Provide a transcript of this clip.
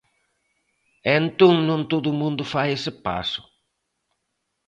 E entón non todo o mundo fai ese paso.